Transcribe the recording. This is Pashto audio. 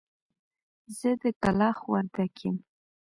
زه د کلاخ وردک يم.